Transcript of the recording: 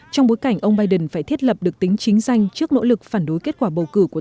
trong bối cảnh ông biden phải thiết lập được tính chính danh trước nỗ lực phản đối kết quả bầu cử của